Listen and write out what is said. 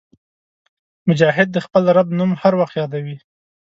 مجاهد د خپل رب نوم هر وخت یادوي.